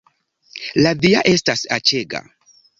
La via estas aĉega